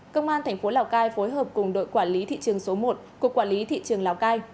công an thành phố lào cai phối hợp cùng đội quản lý thị trường số một của quản lý thị trường lào cai